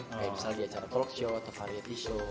kayak misalnya di acara talkshow atau variety show